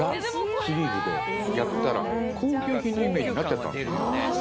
シリーズでやったら高級品のイメージになっちゃったんです